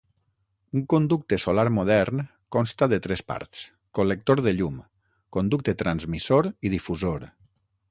Un conducte solar modern consta de tres parts: col·lector de llum, conducte transmissor i difusor.